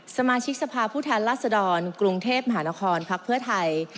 สมาชิกสภาพผู้แทนรัศดรกรุงเทพมหานครพักเพื่อไทย